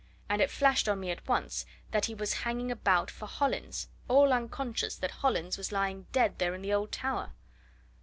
And it flashed on me at once that he was hanging about for Hollins all unconscious that Hollins was lying dead there in the old tower.